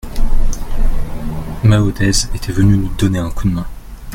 Maodez était venu nous donner un coup de main.